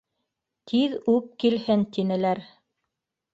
Тиҙ үк килһен, тинеләр.